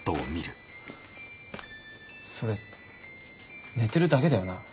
それ寝てるだけだよな？